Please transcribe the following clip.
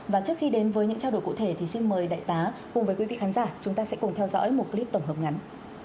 và trước khi đến với những trao đổi cụ thể thì xin mời đại tá cùng với quý vị khán giả chúng ta sẽ cùng theo dõi một clip tổng hợp ngắn